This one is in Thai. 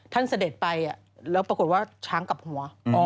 เสด็จไปแล้วปรากฏว่าช้างกลับหัว